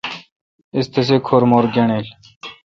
اس تسے کھر مُر گݨڈیل۔